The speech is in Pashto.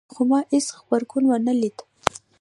خو ما هیڅ غبرګون ونه لید